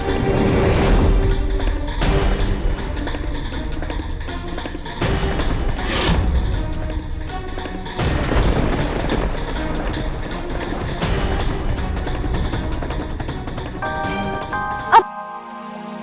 aku akan menangkapmu